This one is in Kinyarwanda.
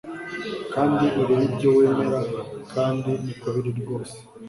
Kandi urebe ibyo wemera kandi niko biri rwose